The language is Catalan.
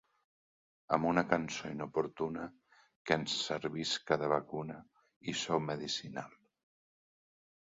Amb una cançó inoportuna que ens servisca de vacuna i so medicinal.